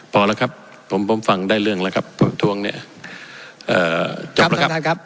พอแล้วครับผมฟังได้เรื่องแล้วครับผู้ประท้วงเนี่ยเอ่อจบแล้วครับ